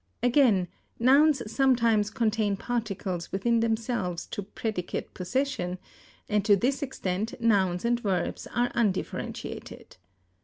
Again, nouns sometimes contain particles within themselves to predicate possession, and to this extent nouns and verbs are undifferentiated.